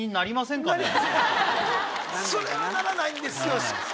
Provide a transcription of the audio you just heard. それはならないんですよ